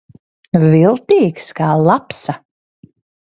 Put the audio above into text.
Viltīgs kā lapsa.